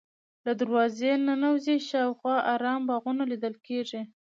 له دروازې ننوځې شاوخوا ارام باغونه لیدل کېږي.